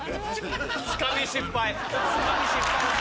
つかみ失敗です。